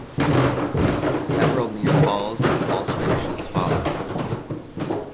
Several near falls and false finishes followed.